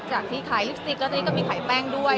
จากที่ขายลิปสติกแล้วทางนี้ก็ใครแป้งด้วย